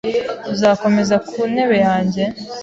Uzakomeza kuntebe yanjye?